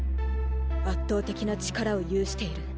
圧倒的な力を有している。